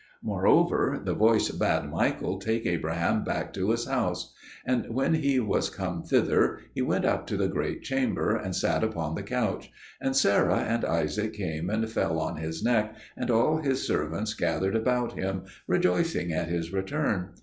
Moreover, the voice bade Michael take Abraham back to his house. And when he was come thither, he went up to the great chamber, and sat upon the couch; and Sarah and Isaac came and fell on his neck, and all his servants gathered about him, rejoicing at his return.